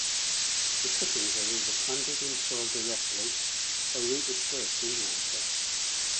The cuttings are either planted in soil directly, or rooted first in water.